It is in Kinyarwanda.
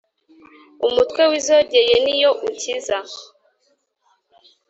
umutwe w' izogeye ni yo ukiza